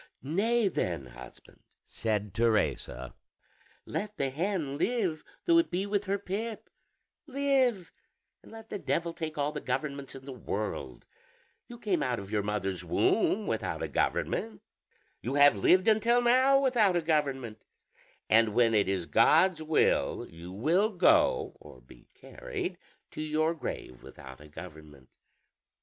"Nay then, husband," said Teresa, "let the hen live, though it be with her pip; live, and let the devil take all the governments in the world: you came out of your mother's womb without a government, you have lived until now without a government, and when it is God's will you will go, or be carried, to your grave without a government.